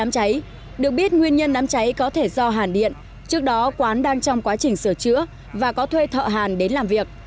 các nguyên nhân đám cháy có thể do hàn điện trước đó quán đang trong quá trình sửa chữa và có thuê thợ hàn đến làm việc